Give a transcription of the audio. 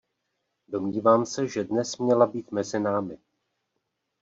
Domnívám se, že dnes měla být mezi námi.